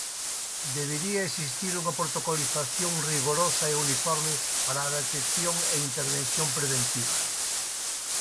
Debería existir unha protocolización rigorosa e uniforme para a detección e intervención preventiva.